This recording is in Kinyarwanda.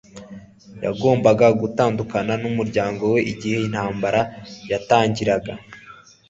yagombaga gutandukana n'umuryango we igihe intambara yatangiraga